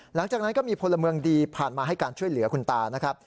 หลังจากนั้นก็มีพลเมืองดีผ่านมาให้การช่วยเหลือคุณตานะครับ